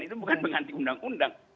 itu bukan mengganti undang undang